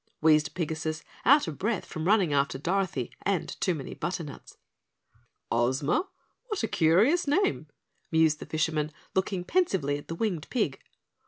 wheezed Pigasus out of breath from running after Dorothy and too many butternuts. "Ozma? What a curious name," mused the fisherman, looking pensively at the winged pig.